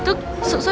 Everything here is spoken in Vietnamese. thế như nào